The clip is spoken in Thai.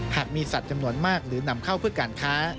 หากมีสัตว์จำนวนมากหรือนำเข้าเพื่อการค้า